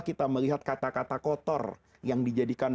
kata kata kotor yang dijadikan